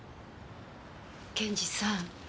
検事さん。